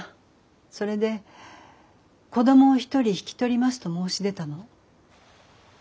それで子供を一人引き取りますと申し出たの。